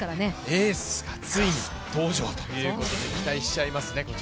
エースがついに登場ということでこちらも期待しちゃいますね。